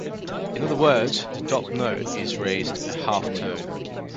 In other words the top note is raised a half-tone.